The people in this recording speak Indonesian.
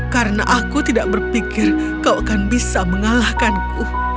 karena aku tidak berpikir kau akan bisa mengalahkanku